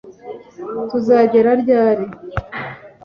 Tuzagera ryari